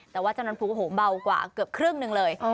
แต่ว่าจำน้ำผู้เบากว่าเกือบครึ่งหนึ่งเลย